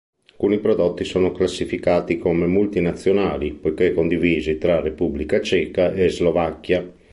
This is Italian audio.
Alcuni prodotti sono classificati come multinazionali, poiché condivisi tra Repubblica Ceca e Slovacchia.